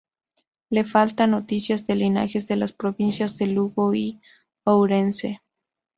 Le faltan noticias de linajes de las provincias de Lugo y Ourense.